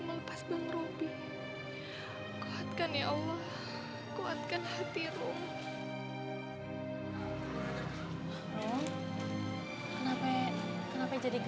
kapan sih lo boleh pulang